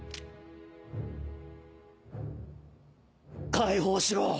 解放しろ。